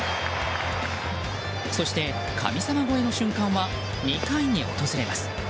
そして神様超えの瞬間は２回に訪れます。